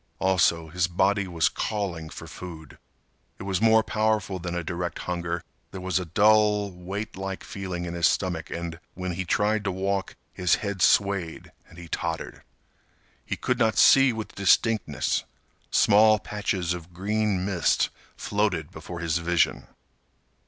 Also, his body was calling for food. It was more powerful than a direct hunger. There was a dull, weight like feeling in his stomach, and, when he tried to walk, his head swayed and he tottered. He could not see with distinctness. Small patches of green mist floated before his vision.